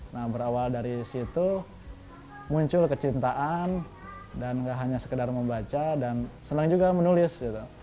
nah berawal dari situ muncul kecintaan dan nggak hanya sekedar membaca dan senang juga menulis gitu